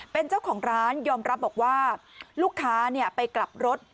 เป็นเจ้าของร้านยอมรับบอกว่าลูกค้าไปกลับรถ